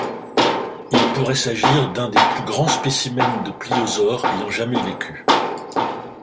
Il pourrait s'agir d'un des plus grands spécimens de pliosaures ayant jamais vécu.